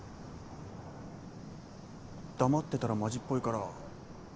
黙ってたらマジっぽいから。